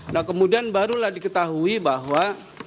nah kemudian barulah diketahui bahwa